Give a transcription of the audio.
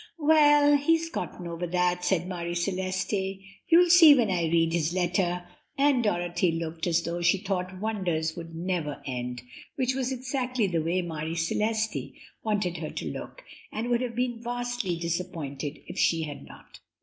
"Well, he's gotten over that," said Marie Celeste; "you'll see when I read his letter." And Dorothy looked as though she thought wonders would never end, which was exactly the way Marie Celeste wanted her to look, and would have been vastly disappointed if she had not.